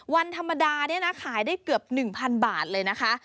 วันธรรมดาเนี่ยนะขายได้เกือบ๑๐๐๐บาทเลยนะคะ